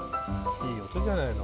いい音じゃないの。